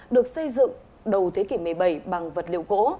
được xây dựng đầu thế kỷ một mươi bảy bằng vật liệu gỗ